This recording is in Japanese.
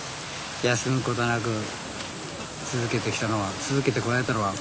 休むことなく続けてきたのは続けてこられたのは何でしょうかね